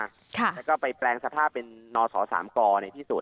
แล้วก็ไปแปลงสภาพเป็นนศ๓กในที่สุด